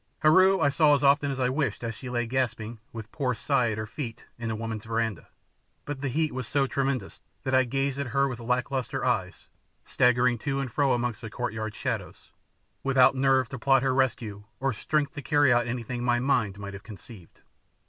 Heru I saw as often as I wished as she lay gasping, with poor Si at her feet, in the women's verandah; but the heat was so tremendous that I gazed at her with lack lustre eyes, staggering to and fro amongst the courtyard shadows, without nerve to plot her rescue or strength to carry out anything my mind might have conceived.